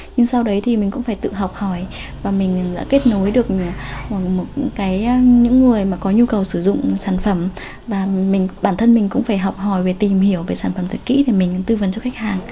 nhưng sau đấy thì mình cũng phải tự học hỏi và mình đã kết nối được những người mà có nhu cầu sử dụng sản phẩm và bản thân mình cũng phải học hỏi về tìm hiểu về sản phẩm thật kỹ để mình tư vấn cho khách hàng